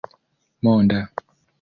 monda